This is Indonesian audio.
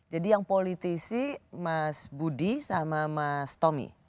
jadi yang politisi mas budi sama mas tommy